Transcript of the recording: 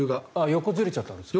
横にずれちゃったの。